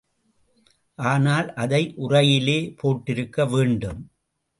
ஆனால், அதை உறையிலே போட்டிருக்க வேண்டும்.